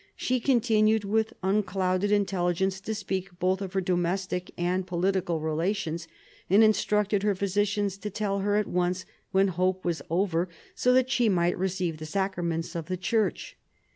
She continued with unclouded intelligence to speak both of her domestic and political relations, and instructed her physicians to tell her at once when hope was over, so that she might receive the sacraments of the Church.